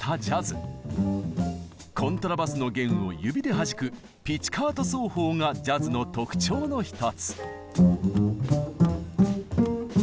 コントラバスの弦を指ではじくピチカート奏法がジャズの特徴の一つ。